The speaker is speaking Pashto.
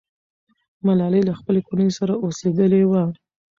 ملالۍ له خپلې کورنۍ سره اوسېدلې وه.